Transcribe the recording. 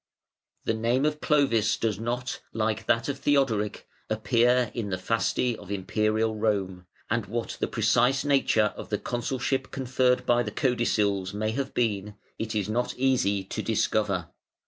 The name of Clovis does not, like that of Theodoric, appear in the Fasti of Imperial Rome, and what the precise nature of the consulship conferred by the "codicils" may have been, it is not easy to discover.